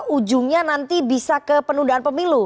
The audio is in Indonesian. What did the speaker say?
ujungnya nanti bisa ke penundaan pemilu